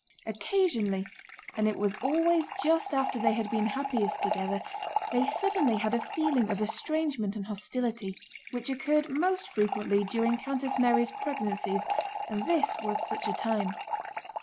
Occasionally, and it was always just after they had been happiest together, they suddenly had a feeling of estrangement and hostility, which occurred most frequently during Countess Mary's pregnancies, and this was such a time.